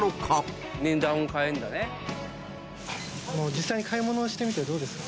「実際に買い物をしてみてどうですか？」